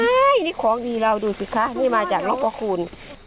นี่ของดีเราดูสิคะนี่มาจากนกพระคุณ